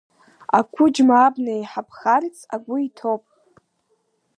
Ақәыџьма абна иеиҳабхарц агәы иҭоуп.